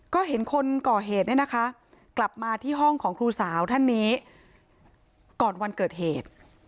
ก็เห็นคนก่อเหตุเนี่ยนะคะกลับมาที่ห้องของครูสาวท่านนี้ก่อนวันเกิดเหตุ